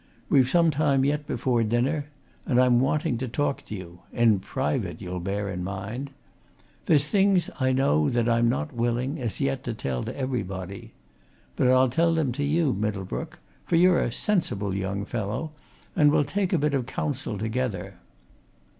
"We've some time yet before dinner, and I'm wanting to talk to you in private, you'll bear in mind. There's things I know that I'm not willing as yet to tell to everybody. But I'll tell them to you, Middlebrook for you're a sensible young fellow, and we'll take a bit of counsel together.